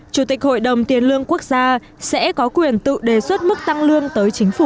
chủ tịch hội đồng tiền lương quốc gia sẽ có quyền tự đề xuất mức tăng lương tới chính phủ